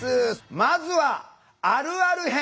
まずは「あるある編」。